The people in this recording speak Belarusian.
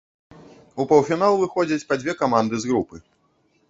У паўфінал выходзяць па дзве каманды з групы.